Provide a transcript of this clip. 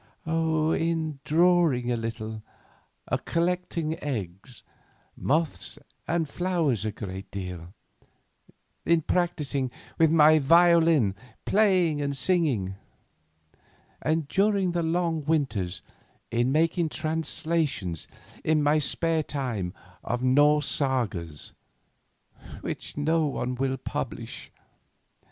"In drawing a little, in collecting eggs, moths, and flowers a great deal; in practising with my violin playing and singing; and during the long winters in making translations in my spare time of Norse sagas, which no one will publish."